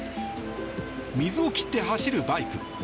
水を切って走るバイク。